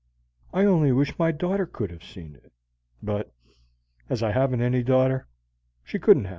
I only wish my daughter could have seen it; but as I haven't any daughter, she couldn't have.